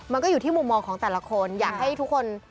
มันก็อยู่ที่มุมมองของแต่ละคน